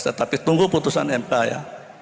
tetapi tunggu putusan mk ya